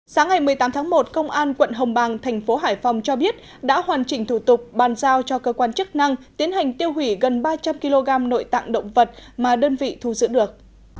sáng ngày một mươi tám tháng một công an quận hồng bàng thành phố hải phòng cho biết đã hoàn chỉnh thủ tục bàn giao cho cơ quan chức năng tiến hành tiêu hủy gần ba trăm linh kg nội tạng động vật mà đơn vị thu giữ được